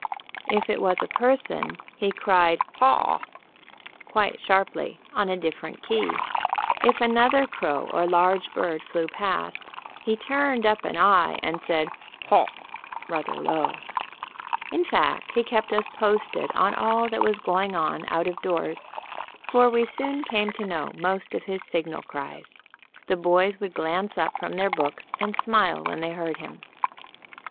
If it was a person, he cried "Haw!" quite sharply, on a different key. If another crow or large bird flew past, he turned up an eye and said "Hawh!" rather low. In fact, he kept us posted on all that was going on out of doors, for we soon came to know most of his signal cries. The boys would glance up from their books and smile when they heard him.